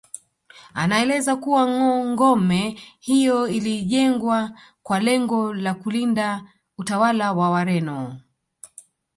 Anaeleza kuwa ngome hiyo ilijengwa kwa lengo la kulinda utawala wa Wareno